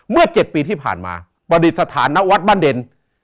เมื่อ๗ปีที่ผ่านมาประดิษฐานณวัดบ้านเด่น